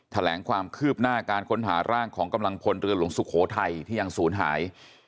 แถลงความคืบหน้าการค้นหาร่างของกำลังพลเรือหลวงสุโขทัยที่ยังศูนย์หาย